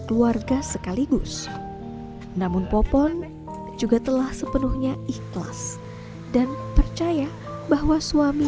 keluarga sekaligus namun popon juga telah sepenuhnya ikhlas dan percaya bahwa suami